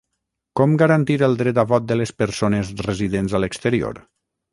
Com garantir el dret a vot de les persones residents a l'exterior?